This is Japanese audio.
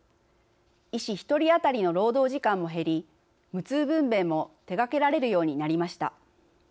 医師１人当たりの労働時間も減り無痛分べんも手がけられるようになりました。